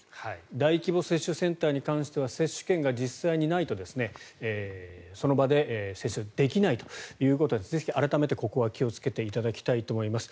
大規模接種センターに関しては接種券が実際にないとその場で接種ができないということはぜひ改めてここは気をつけていただきたいと思います。